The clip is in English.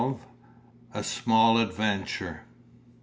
A SMALL ADVENTURE.